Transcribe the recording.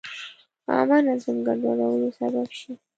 عامه نظم ګډوډولو سبب شي.